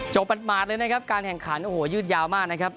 เลยนะครับการแข่งขันโอ้โหยืดยาวมากนะครับ